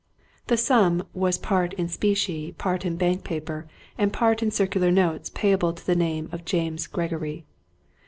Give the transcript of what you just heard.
The sum was part in specie, part in bank paper, and part in circular notes payable to the name of James Gregory.